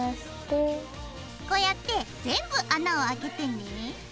こうやって全部穴をあけてね。